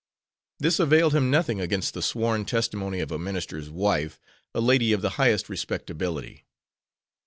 This availed him nothing against the sworn testimony of a ministers wife, a lady of the highest respectability.